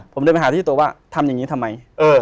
ผมเดินไปหาที่ตัวว่าทำอย่างนี้ทำไม